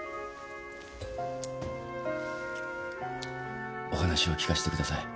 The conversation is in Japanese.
お話を聞かせてください。